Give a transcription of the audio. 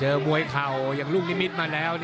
มวยเข่าอย่างลูกนิมิตรมาแล้ว